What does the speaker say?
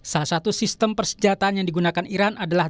salah satu sistem persenjataan yang digunakan iran adalah